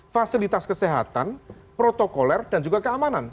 fasilitas kesehatan protokoler dan juga keamanan